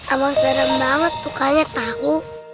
amang serem banget tukarnya tahu